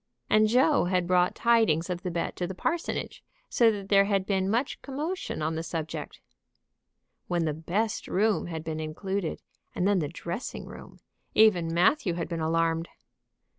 And Joe had brought tidings of the bet to the parsonage, so that there had been much commotion on the subject. When the best room had been included, and then the dressing room, even Matthew had been alarmed.